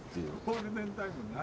ゴールデンタイムなし。